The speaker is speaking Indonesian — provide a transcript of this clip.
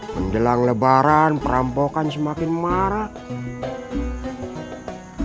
menjelang lebaran perampokan semakin marah